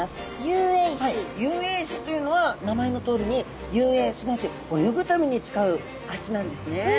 遊泳肢というのは名前のとおりに遊泳すなわち泳ぐために使う脚なんですね。